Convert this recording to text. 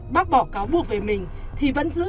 bác bỏ cáo buộc về mình thì vẫn giữ